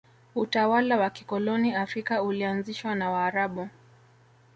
utawala wa kikoloni afrika ulianzishwa na waarabu